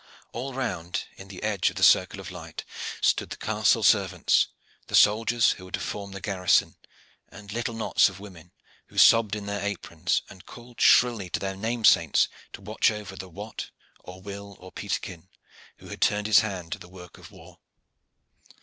All round, in the edge of the circle of the light, stood the castle servants, the soldiers who were to form the garrison, and little knots of women, who sobbed in their aprons and called shrilly to their name saints to watch over the Wat, or Will, or Peterkin who had turned his hand to the work of war.